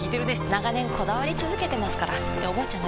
長年こだわり続けてますからっておばあちゃん